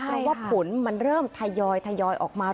เพราะว่าผลมันเริ่มทยอยออกมา